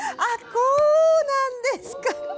こうなんですか。